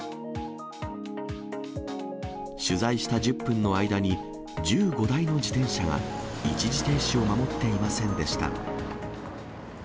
取材した１０分の間に、１５台の自転車が一時停止を守っていませんでした。